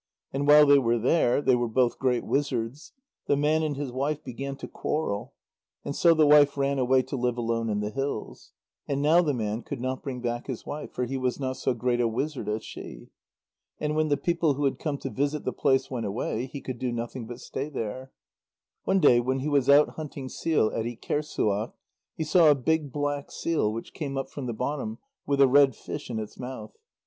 And while they were there they were both great wizards the man and his wife began to quarrel, and so the wife ran away to live alone in the hills. And now the man could not bring back his wife, for he was not so great a wizard as she. And when the people who had come to visit the place went away, he could do nothing but stay there. One day when he was out hunting seal at Ikerssuaq, he saw a big black seal which came up from the bottom with a red fish in its mouth.